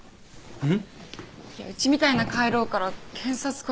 うん。